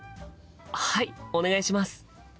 はいお願いします！